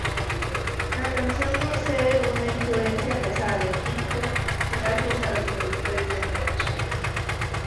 La canción, posee una influencia pesada de hip-hop, gracias a los productores The Neptunes.